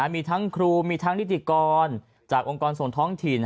มีทั้งครูมีทั้งนิติกรจากองค์กรส่วนท้องถิ่น